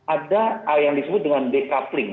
ada yang disebut dengan decoupling